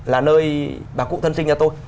là nơi bà cụ thân sinh nhà tôi